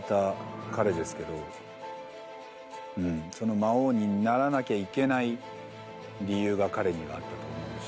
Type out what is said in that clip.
魔王にならなきゃいけない理由が彼にはあったと思うし。